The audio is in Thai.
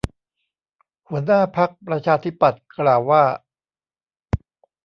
หัวหน้าพรรคประชาธิปัตย์กล่าวว่า